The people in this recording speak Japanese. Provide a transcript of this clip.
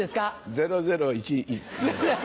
００１。